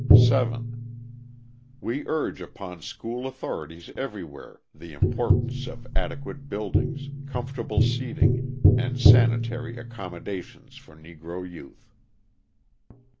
7. We urge upon school authorities everywhere the importance of adequate buildings, comfortable seating, and sanitary accommodations for Negro youth.